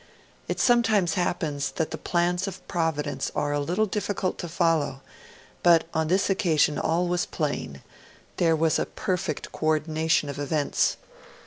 It sometimes happens that the plans of Providence are a little difficult to follow, but on this occasion all was plain; there was a perfect coordination of events.